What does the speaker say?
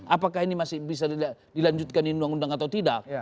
apakah ini masih bisa dilanjutkan di undang undang atau tidak